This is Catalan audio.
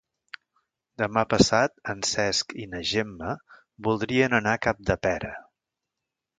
Demà passat en Cesc i na Gemma voldrien anar a Capdepera.